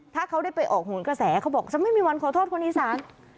ถ้าเขาได้ไปออกหนกระแสเขาบอกจะไม่มีวันขอโทษคนอีสาน